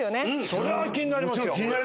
そりゃあ気になりますよ。